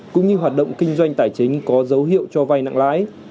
cũng như hoạt động kinh doanh tài chính có dấu hiệu cho vay nặng lãi